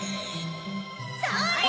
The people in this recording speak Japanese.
それ！